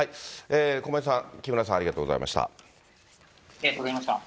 駒井さん、木村さん、ありがありがとうございました。